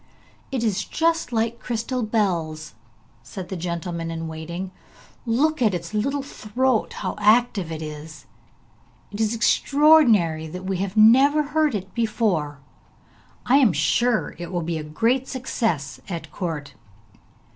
'It is just like crystal bells,' said the gentleman in waiting. 'Look at its little throat, how active it is. It is extraordinary that we have never heard it before! I am sure it will be a great success at court!'